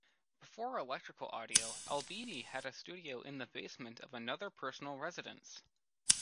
Before Electrical Audio, Albini had a studio in the basement of another personal residence.